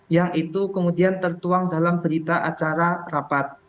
yang itu kemudian tertuang dalam berita acara rapat